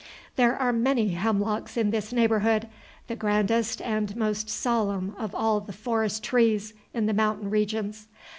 There were many hemlocks in this neighborhood, the grandest and most solemn of all the forest trees in the mountain regions.